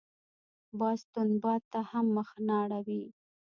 باز تند باد ته هم مخ نه اړوي